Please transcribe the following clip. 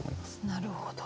なるほど。